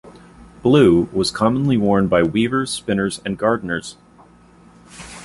Blue was commonly worn by weavers, spinners, and gardeners.